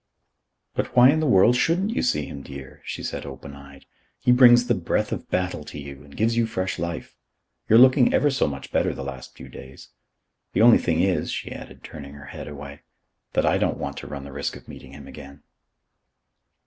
"But why in the world shouldn't you see him, dear?" she said, open eyed. "He brings the breath of battle to you and gives you fresh life. You're looking ever so much better the last few days. The only thing is," she added, turning her head away, "that I don't want to run the risk of meeting him again."